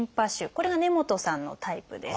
これが根本さんのタイプです。